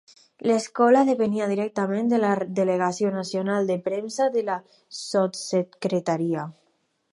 L'Escola depenia directament de la Delegació Nacional de Premsa de la Sotssecretaria.